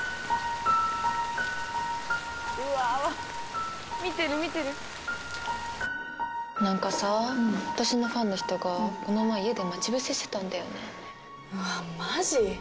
うわあ見てる見てるなんかさ私のファンの人がこの前家で待ち伏せしてたんだよねうわマジ？